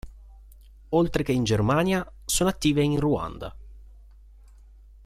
Oltre che in Germania, sono attive in Ruanda.